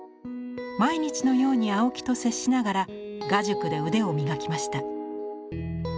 毎日のように青木と接しながら画塾で腕を磨きました。